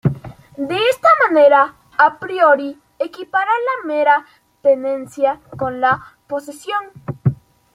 De esta manera, a priori, equipara la mera tenencia con la posesión.